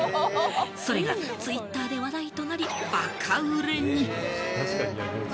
それがツイッターで話題となり、バカ売れに！